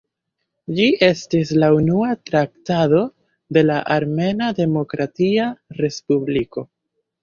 Ĝi estis la unua traktato de la Armena Demokratia Respubliko.